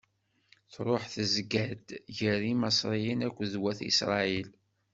Tṛuḥ tezga-d gar Imaṣriyen akked wat Isṛayil.